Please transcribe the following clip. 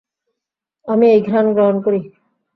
আমি এই ঘ্রাণ গ্রহণ করি।